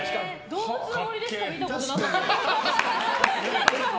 「どうぶつの森」でしか見たことなかったです。